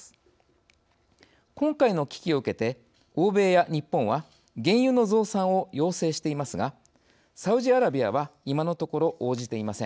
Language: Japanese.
今回の危機を受けて欧米や日本は原油の増産を要請していますがサウジアラビアは今のところ応じていません。